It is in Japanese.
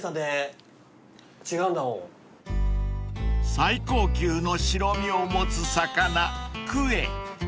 ［最高級の白身を持つ魚クエ］